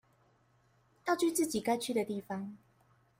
要去自己該去的地方